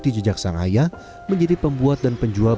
di jejak sang ayah menjadi pembuat dan penjual